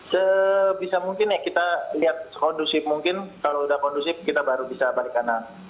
sebisa mungkin ya kita lihat kondusif mungkin kalau sudah kondusif kita baru bisa balik kanan